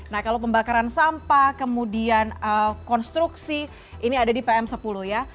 nah kalau pembakaran sampah kemudian konstruksi ini ada di pm sepuluh ya